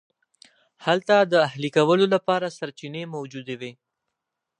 هلته د اهلي کولو لپاره سرچینې موجودې وې.